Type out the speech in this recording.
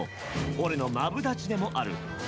俺のマブダチでもある。